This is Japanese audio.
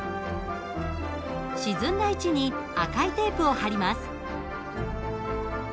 沈んだ位置に赤いテープを貼ります。